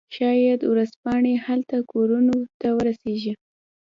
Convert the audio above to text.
شاید ورځپاڼې هلته کورونو ته ورسیږي